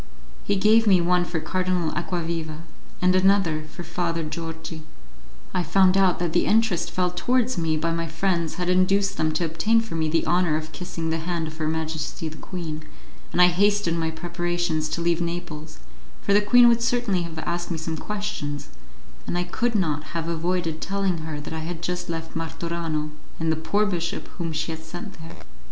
He gave me one for Cardinal Acquaviva, and another for Father Georgi. I found out that the interest felt towards me by my friends had induced them to obtain for me the honour of kissing the hand of Her Majesty the Queen, and I hastened my preparations to leave Naples, for the queen would certainly have asked me some questions, and I could not have avoided telling her that I had just left Martorano and the poor bishop whom she had sent there.